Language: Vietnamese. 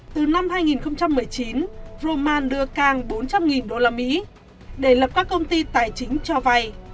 từ năm hai nghìn một mươi chín roman đưa cang bốn trăm linh usd để lập các công ty tài chính cho vay